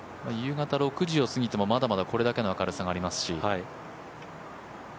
夕方６時を過ぎても、まだまだこれだけの明るさがありますし。